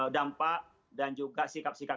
dampak dan juga sikap sikap